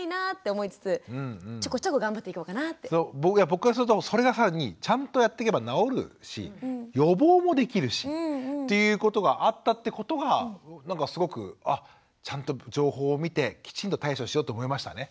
僕からするとそれが更にちゃんとやっていけば治るし予防もできるしっていうことがあったってことがなんかすごくあちゃんと情報を見てきちんと対処しようと思いましたね。